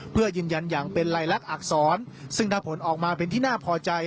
เพื่อยืนยันอย่างเป็นลายลักษณอักษรซึ่งถ้าผลออกมาเป็นที่น่าพอใจ